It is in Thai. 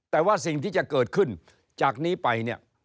แต่ว่าสิ่งที่จะเกิดขึ้นจากนี้ไปเนี่ย